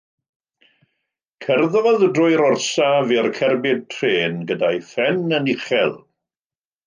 Cerddodd drwy'r orsaf i'r cerbyd trên gyda'i phen yn uchel.